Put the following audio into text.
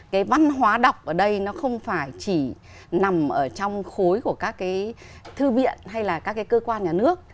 cái văn hóa đọc ở đây nó không phải chỉ nằm ở trong khối của các cái thư viện hay là các cái cơ quan nhà nước